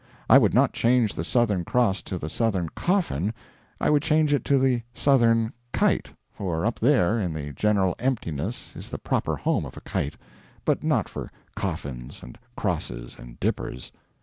I would not change the Southern Cross to the Southern Coffin, I would change it to the Southern Kite; for up there in the general emptiness is the proper home of a kite, but not for coffins and crosses and dippers.